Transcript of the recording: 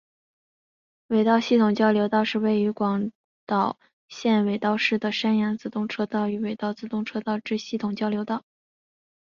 尾道系统交流道是位于广岛县尾道市的山阳自动车道与尾道自动车道之系统交流道。